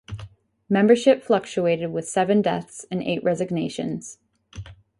Membership fluctuated with seven deaths and eight resignations.